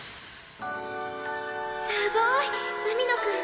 すごい！海野くん